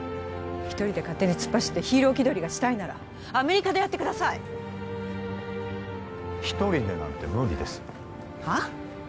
一人で勝手に突っ走ってヒーロー気取りがしたいならアメリカでやってください一人でなんて無理ですはあ？